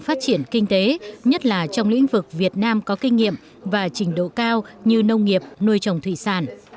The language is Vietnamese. phát triển kinh tế nhất là trong lĩnh vực việt nam có kinh nghiệm và trình độ cao như nông nghiệp nuôi trồng thủy sản